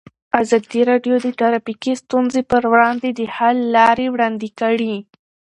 ازادي راډیو د ټرافیکي ستونزې پر وړاندې د حل لارې وړاندې کړي.